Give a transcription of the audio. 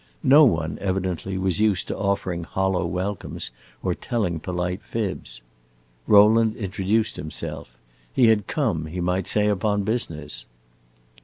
No one, evidently, was used to offering hollow welcomes or telling polite fibs. Rowland introduced himself; he had come, he might say, upon business.